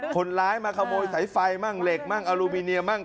คนร้ายมาขโมยสายไฟมั่งเหล็กมั่งอลูมิเนียมั่ง